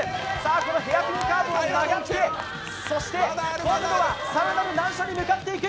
このヘアピンカーブを上がってそして今度は更なる難所に向かっていく。